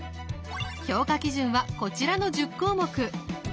評価基準はこちらの１０項目。